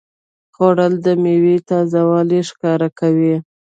خوړل د میوې تازهوالی ښکاره کوي